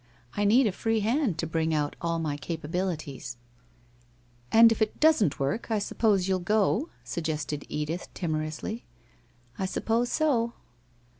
I need a free hand to bring out all my capabilities/ ' And if it doesn't work, I suppose you'll go,' suggested Edith timorously. ' I suppose so.'